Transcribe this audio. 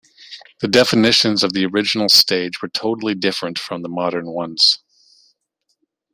The definitions of the original stage were totally different from the modern ones.